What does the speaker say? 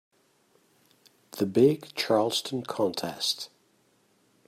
The big Charleston contest.